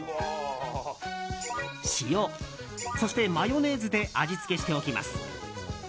塩、そしてマヨネーズで味付けしておきます。